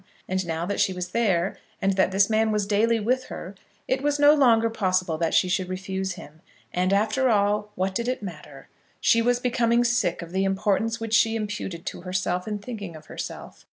And now that she was there, and that this man was daily with her, it was no longer possible that she should refuse him. And, after all, what did it matter? She was becoming sick of the importance which she imputed to herself in thinking of herself.